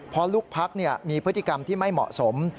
เพราะลูกพักมีพฤติกรรมที่ไม่เหมาะสม